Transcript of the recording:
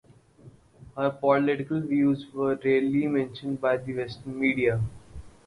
Her political views were rarely mentioned by Western media.